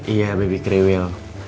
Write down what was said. iya bebi kriwel